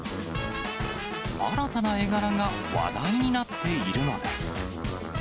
新たな絵柄が話題になっているのです。